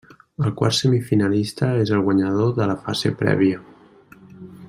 El quart semifinalista és el guanyador de la fase prèvia.